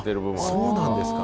そうなんですか。